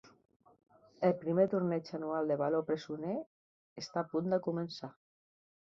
El primer torneig anual de baló presoner està a punt de començar.